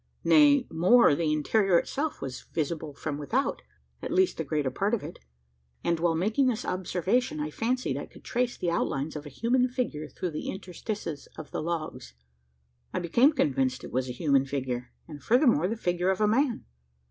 Nay, more, the interior itself was visible from without at least the greater part of it and, while making this observation, I fancied I could trace the outlines of a human figure through the interstices of the logs! I became convinced it was a human figure; and furthermore, the figure of a man.